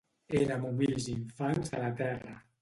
Erem humils infants de la terra.